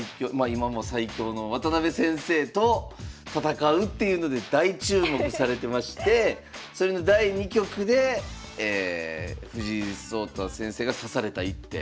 今も最強の渡辺先生と戦うっていうので大注目されてましてそれの第２局で藤井聡太先生が指された一手。